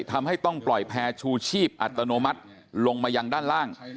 ทำให้ต้องปล่อยแพร่ชูชีพอัตโนมัติลงมายังด้านล่าง